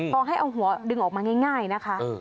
พอให้เอาหัวดึงออกมาง่ายนะคะ